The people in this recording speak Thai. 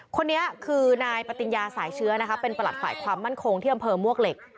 คนนี้คือนายปติญญาสายเชื้อนะคะเป็นประหลัดฝ่ายความมั่นคงที่อำเภอมวกเหล็ก